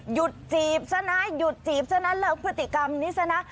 หยุดจีบซะนะหยุดจีบซะนะเลิกพฤติกรรมนี้ซะนะ